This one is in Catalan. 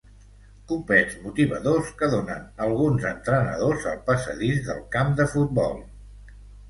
Copets motivadors que donen alguns entrenadors al passadís del camp de futbol.